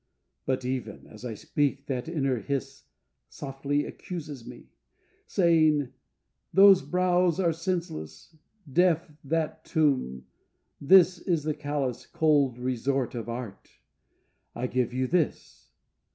But even as I speak that inner hiss Softly accuses me, Saying: Those brows are senseless, deaf that tomb, This is the callous, cold resort of art. 'I give you this.'